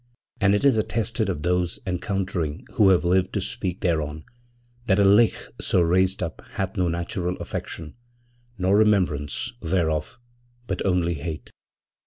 And it is attested of those encountering who have lived to speak thereon that a lich so raised up hath no natural affection, nor remembrance thereof, but only hate.